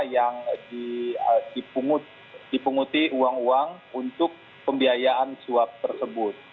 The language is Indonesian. yang dipunguti uang uang untuk pembiayaan suap tersebut